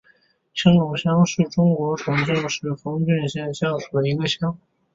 青龙乡是中国重庆市丰都县下辖的一个乡。